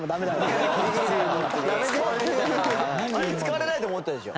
あれ使われないと思ったでしょ？